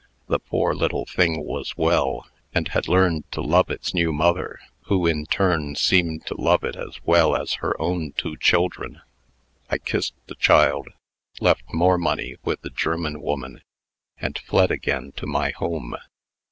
The poor little thing was well, and had learned to love its new mother, who, in turn, seemed to love it as well as her own two children. I kissed the child, left more money with the German woman, and fled again to my home.